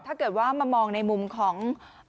ถ้าเกิดว่ามามองในมุมของ